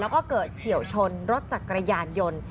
ก็เกิดเฉียวชนรถจากกระยายารยนต์